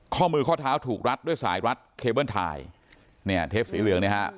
ข้อมือข้อเท้าถูกรัดด้วยสายรัดเคเบิ้ลไทยเนี่ยเทปสีเหลืองเนี่ยฮะ